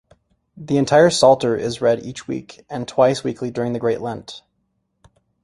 The entire psalter is read each week, and twice weekly during Great Lent.